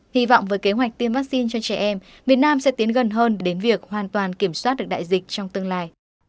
hy vọng với kế hoạch tiêm vaccine cho trẻ em việt nam sẽ tiến gần hơn đến việc hoàn toàn kiểm soát được đại dịch trong tương lai